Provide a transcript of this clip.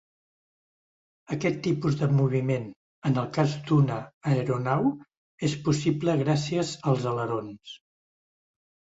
Aquest tipus de moviment en el cas d'una aeronau és possible gràcies als alerons.